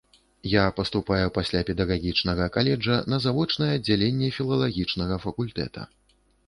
Я паступаю пасля педагагічнага каледжа на завочнае аддзяленне філалагічнага факультэта.